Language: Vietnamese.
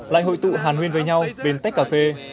lại hội tụ hàn huyên với nhau bên tết cà phê